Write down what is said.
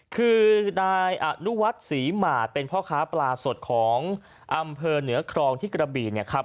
คือนายอนุวัฒน์ศรีหมาดเป็นพ่อค้าปลาสดของอำเภอเหนือครองที่กระบีเนี่ยครับ